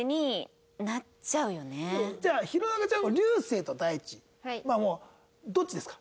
じゃあ弘中ちゃんは流星と大地まあもうどっちですか？